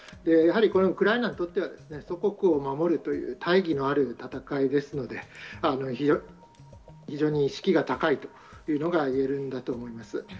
やはりこれはウクライナにとっては祖国を守るという大義がある戦いですので、非常に士気が高いというのが言えるんだと思います。